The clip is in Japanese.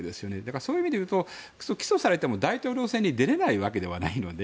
そういう意味でいうと起訴されても大統領選に出れないわけではないので。